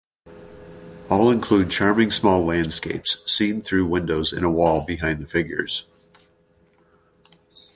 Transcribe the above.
All include charming small landscapes seen through windows in a wall behind the figures.